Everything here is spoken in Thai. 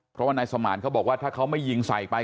เพราะว่านายสมานเขาบอกว่าถ้าเขาไม่ยิงใส่ไป